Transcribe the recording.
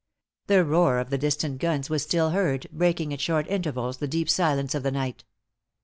The roar of the distant guns was still heard, breaking at short intervals the deep silence of the night.